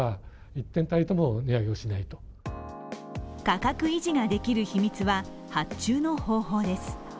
価格維持ができる秘密は発注の方法です。